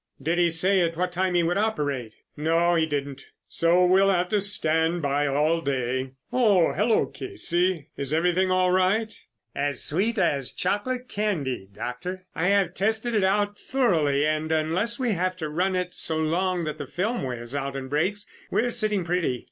"Did he say at what time he would operate?" "No, he didn't, so we'll have to stand by all day. Oh, hello, Casey, is everything all right?" "As sweet as chocolate candy, Doctor. I have tested it out thoroughly, and unless we have to run it so long that the film wears out and breaks, we are sitting pretty.